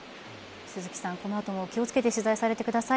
鈴木さん、この後も気を付けて取材されてください。